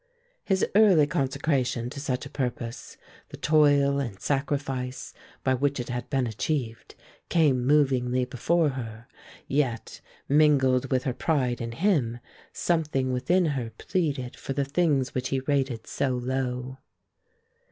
His early consecration to such a purpose, the toil and sacrifice by which it had been achieved, came movingly before her; yet, mingled with her pride in him, something within her pleaded for the things which he rated so low.